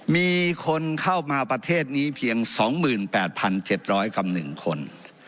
มีคนเข้ามาประเทศนี้เพียง๒๘๗๐๐กับ๑คน